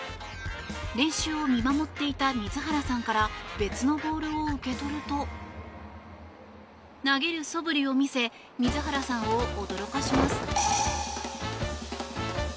練習を見守っていた水原さんから別のボールを受け取ると投げるそぶりを見せ水原さんを驚かせます。